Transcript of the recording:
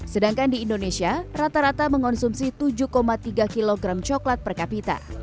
sedangkan di indonesia rata rata mengonsumsi tujuh tiga kg coklat per kapita